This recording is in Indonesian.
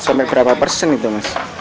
sampai berapa persen itu mas